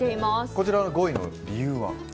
こちらが５位の理由は？